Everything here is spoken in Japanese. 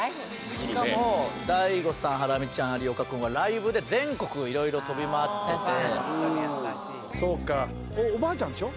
しかもＤＡＩＧＯさんハラミちゃん有岡くんはライブで全国をいろいろ飛び回っててそうかおばあちゃんでしょ